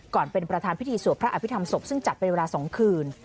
เป็นประธานพิธีสวดพระอภิษฐรรศพซึ่งจัดเป็นเวลา๒คืน